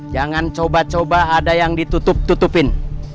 jangan coba coba ada yang ditutup tutupin